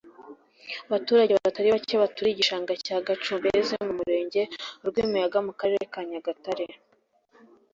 Abaturage batari bacye baturiye igishanga cya Gacumbezi mu Murenge wa Rwimiyaga mu Karere ka Nyagatare